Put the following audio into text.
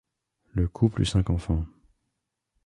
Le couple eut cinq enfants.